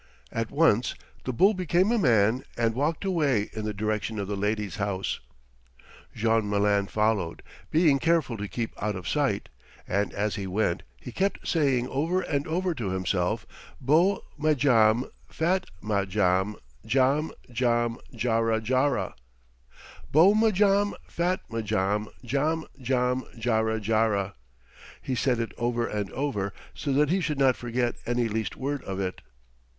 At once the bull became a man and walked away in the direction of the lady's house. Jean Malin followed, being careful to keep out of sight, and as he went he kept saying over and over to himself, "Beau Madjam, fat Madjam, djam, djam, djara, djara, Beau Madjam, fat Madjam, djam, djam, djara, djara!" He said it over and over, so that he should not forget any least word of it.